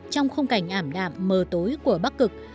trong khung cảnh ảm đạm mờ tối của bắc cực